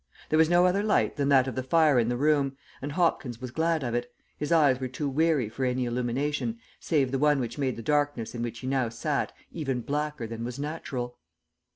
There was no other light than that of the fire in the room, and Hopkins was glad of it, his eyes were too weary for any illumination save the one which made the darkness in which he now sat even blacker than was natural.